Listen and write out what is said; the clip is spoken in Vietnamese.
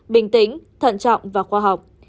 bình tĩnh thận trọng và khoa học